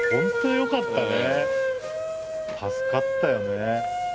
助かったよね。